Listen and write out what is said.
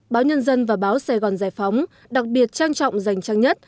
báo nhân dân và báo sài gòn giải phóng đặc biệt trang trọng dành trang nhất